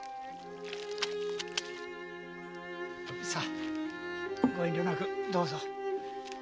さあご遠慮なくどうぞ。